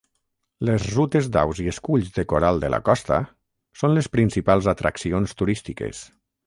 Les rutes d'aus i esculls de coral de la costa són les principals atraccions turístiques.